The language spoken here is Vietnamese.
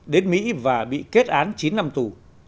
đến mỹ và bị kết án chín năm tù